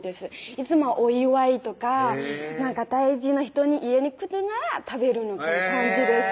いつもはお祝いとか大事な人に家にくるなら食べるの感じです